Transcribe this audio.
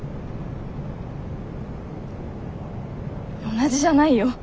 同じじゃないよ。